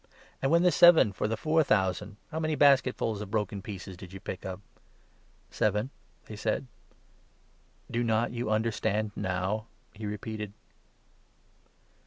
" And when the seven for the four thousand, how many basketfuls of broken pieces did you pick up ?"" Seven," they said. " Do not you understand now ?" he repeated.